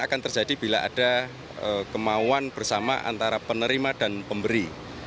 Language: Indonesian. antara penerima dan pemberi